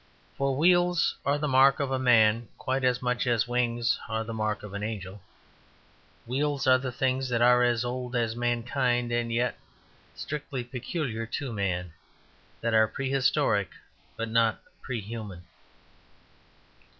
For wheels are the mark of a man quite as much as wings are the mark of an angel. Wheels are the things that are as old as mankind and yet are strictly peculiar to man, that are prehistoric but not pre human.